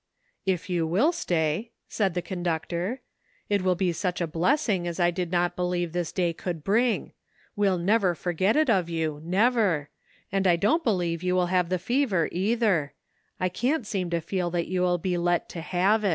"If you will stay," said the conductor, "it will be such a blessing as I did not believe this day could bring ; we'll never forget it of you, never, and I don't believe you will have the fever, either ; I can't seem to feel that you will be let to have it."